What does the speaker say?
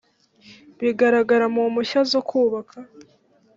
bigaragara mu mpushya zo kubaka